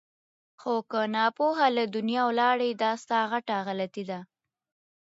خو که ناپوه له دنیا ولاړې دا ستا غټه غلطي ده!